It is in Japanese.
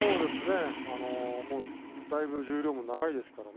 だいぶ十両も長いですからね。